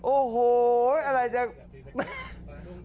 โอ้โหอะไรจัง